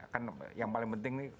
kan yang paling penting nih